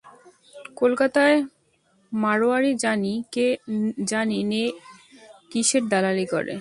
কলকাতায় মাড়োয়ারি জানি নে কিসের দালালি করে।